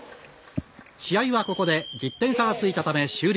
試合は、ここで１０点差がついたため終了。